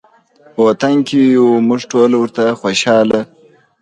په وطن کې یو موږ ټول ورته خوشحاله